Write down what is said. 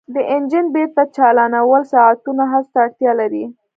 د انجن بیرته چالانول ساعتونو هڅو ته اړتیا لري